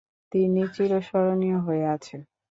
তিনি চিরস্মরনীয় হয়ে আছেন।